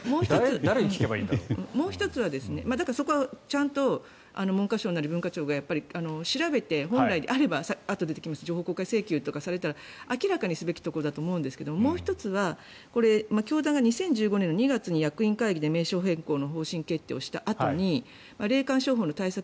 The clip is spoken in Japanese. もう１つはだからそこはちゃんと文科省なり文化庁が調べてあとで出てきますが情報公開請求とかを明らかにすべきところだと思うんですが、もう１つが教団が２０１５年の２月に役員会議で名称変更の役員会議を決定したあとに霊感商法の対策